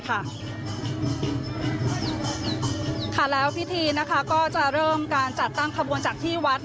ค่ะแล้วพิธีนะคะก็จะเริ่มการจัดตั้งขบวนจากที่วัด